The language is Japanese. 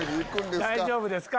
大丈夫ですか？